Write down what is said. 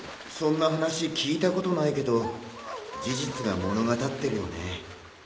そんな話聞いたことないけど事実が物語ってるよね。